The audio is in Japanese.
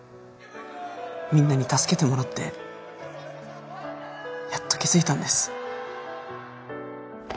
みんなに助けてもらってやっと気づいたんです